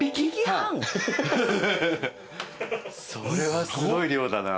それはすごい量だな。